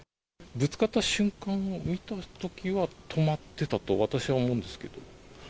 ぶつかった瞬間を見たときは、止まってたと、私は思うんですけど。